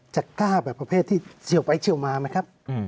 กล้าแบบประเภทที่เชี่ยวไปเชี่ยวมาไหมครับ